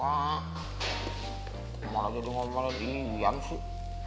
kamu aja udah ngomel di yian sih